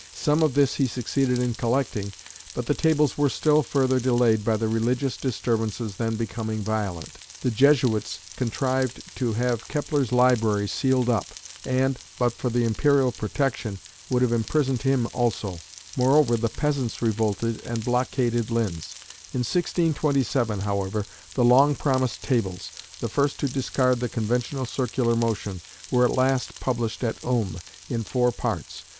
Some of this he succeeded in collecting, but the Tables were still further delayed by the religious disturbances then becoming violent. The Jesuits contrived to have Kepler's library sealed up, and, but for the Imperial protection, would have imprisoned him also; moreover the peasants revolted and blockaded Linz. In 1627, however, the long promised Tables, the first to discard the conventional circular motion, were at last published at Ulm in four parts.